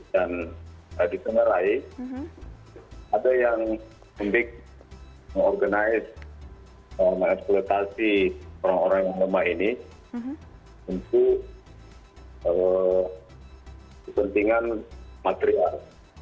dan dikenalai ada yang penting mengorganisasi mengaksesorasi orang orang yang lemah ini untuk kesentingan material